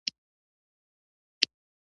نجلۍ په غريو کې وويل: ابا!